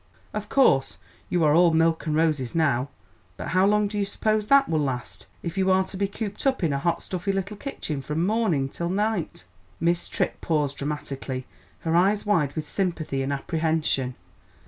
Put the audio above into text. Of course you are all milk and roses now, but how long do you suppose that will last, if you are to be cooped up in a hot, stuffy little kitchen from morning till night?" Miss Tripp paused dramatically, her eyes wide with sympathy and apprehension.